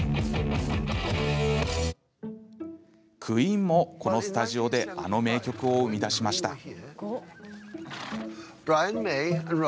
クイーンもこのスタジオであの名曲を生み出しました。